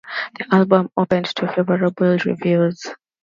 The album opened to favorable reviews.